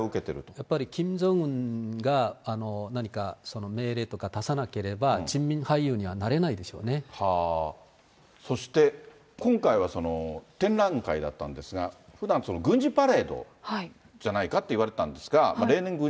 やっぱりキム・ジョンウンが何か命令とか出さなければ、そして、今回は展覧会だったんですが、ふだん、軍事パレードじゃないかっていわれてたんですが、例年、